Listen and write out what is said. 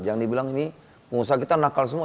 jangan dibilang ini pengusaha kita nakal semua